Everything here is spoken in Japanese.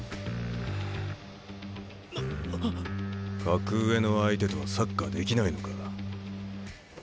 格上の相手とはサッカーできないのか？